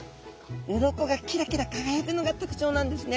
うろこがキラキラ輝くのが特徴なんですね。